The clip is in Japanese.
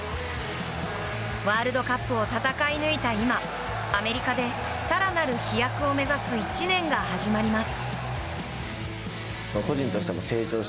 ワールドカップを戦い抜いた今アメリカで、更なる飛躍を目指す１年が始まります。